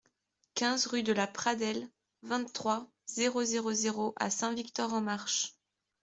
quinze rue de La Pradelle, vingt-trois, zéro zéro zéro à Saint-Victor-en-Marche